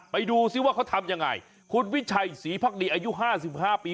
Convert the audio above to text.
ไปดูซิว่าเขาทำยังไงคุณวิชัยศรีพักดีอายุ๕๕ปี